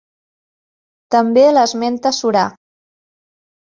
També l'esmenta Sorà.